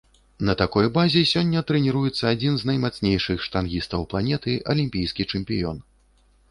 На такой базе сёння трэніруецца адзін з наймацнейшых штангістаў планеты, алімпійскі чэмпіён.